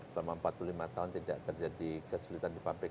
selama empat puluh lima tahun tidak terjadi kesulitan di pabrik